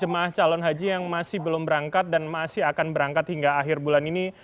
jemaah calon haji yang masih belum berangkat dan masih akan berangkat hingga akhir bulan ini